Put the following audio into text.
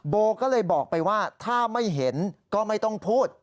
โบก็เลยบอกไปว่าถ้าไม่เห็นก็ไม่ต้องพูด